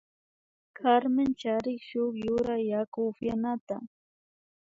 Carmen charin shuk yura yaku upyanata